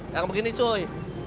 yang begini cuy